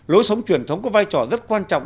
lối sống truyền thống có vai trò rất quan trọng